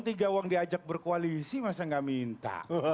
tiga uang diajak berkoalisi masa nggak minta